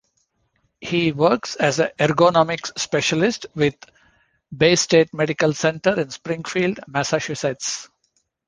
He works as an ergonomics specialist with Baystate Medical Center in Springfield, Massachusetts.